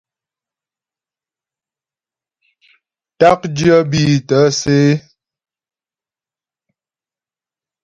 Ták dyə́ bî thə́sə ə.